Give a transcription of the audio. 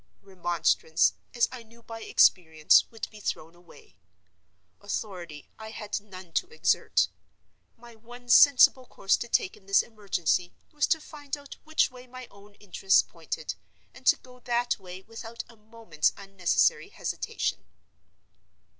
Remonstrance, as I knew by experience, would be thrown away. Authority I had none to exert. My one sensible course to take in this emergency was to find out which way my own interests pointed, and to go that way without a moment's unnecessary hesitation.